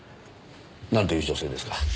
なんという女性ですか？